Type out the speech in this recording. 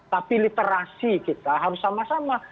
tapi literasi kita harus sama sama